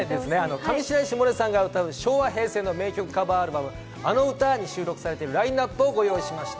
上白石萌音さんが歌う昭和、平成の名曲カバーアルバム、『あの歌』に収録されているラインナップをご用意しました。